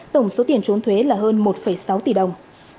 tổng số tiền trốn thuế là hơn một sáu tỷ đồng